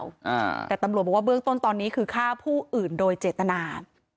อ่าแต่ตำรวจบอกว่าเบื้องต้นตอนนี้คือฆ่าผู้อื่นโดยเจตนา